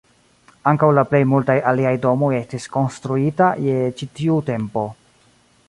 Ankaŭ la plej multaj aliaj domoj estis konstruita je ĉi tiu tempo.